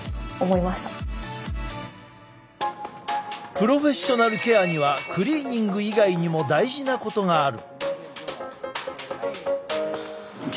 プロフェッショナルケアにはクリーニング以外にも大事なことがある。